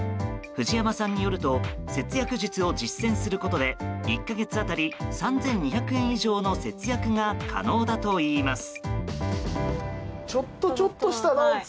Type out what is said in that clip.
藤山さんによると節約術を実践することで１か月当たり３２００円以上の節約が可能だといいます。